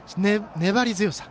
粘り強さ。